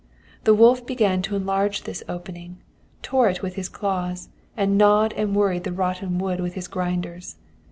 The wolf began to enlarge this opening, tore it with his claws, and gnawed and worried the rotten wood with his grinders.